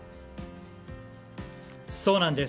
そうなんです。